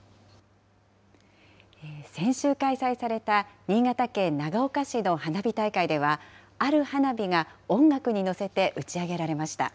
先週開催された新潟県長岡市の花火大会では、ある花火が音楽に乗せて打ち上げられました。